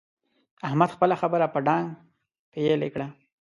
احمد خپله خبره په ډانګ پېيلې کړه.